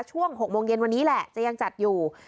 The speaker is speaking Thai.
ช่วง๖โมงเย็นวันนี้แหละจะยังจัดอยู่